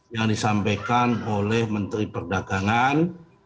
yang disampaikan oleh menteri perdagangan